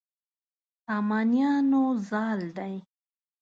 سامانیانو زال دی.